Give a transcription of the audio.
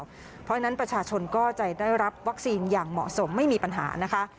เพราะฉะนั้นประชาชนก็จะได้รับวัคซีนอย่างเหมาะสมไม่มีปัญหานะคะ